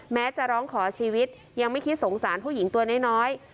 แม้จะร้องขอชีวิตยังไม่คิดสงสารผู้หญิงตัวน้อย